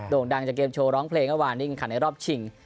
โด่งดังจากเกมโชว์ร้องเพลงว่าว่านี้เป็นขันในรอบชิง